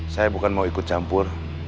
saya bukan mau ikut campur